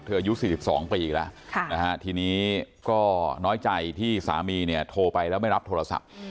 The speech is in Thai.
เธออายุ๔๒ปีอีกละทีนี่ก็น้อยใจที่สามีโทรไปแล้วไม่รับโทรศัพท์